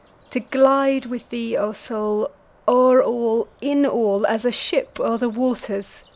To glide with thee, O Soul, o'er all, in all, as a ship o'er the waters!